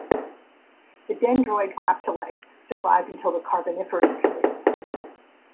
The dendroid graptolites survived until the Carboniferous period.